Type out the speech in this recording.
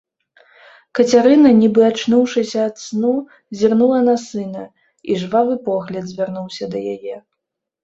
Кацярына, нібы ачнуўшыся ад сну, зірнула на сына, і жвавы погляд звярнуўся да яе.